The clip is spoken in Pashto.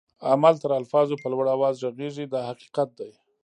عمل تر الفاظو په لوړ آواز ږغيږي دا حقیقت دی.